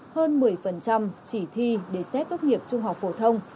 hơn một mươi chỉ thi để xét tốt nghiệp trung học hồ đông